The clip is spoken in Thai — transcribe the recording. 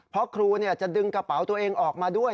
เพราะครูจะดึงกระเป๋าตัวเองออกมาด้วย